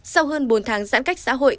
sau hơn bốn tháng giãn cách xã hội